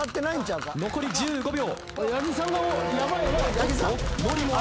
残り１０秒。